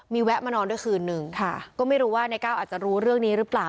แวะมานอนด้วยคืนนึงค่ะก็ไม่รู้ว่าในก้าวอาจจะรู้เรื่องนี้หรือเปล่า